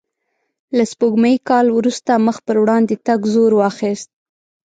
له سپوږمیز کال وروسته مخ په وړاندې تګ زور واخیست.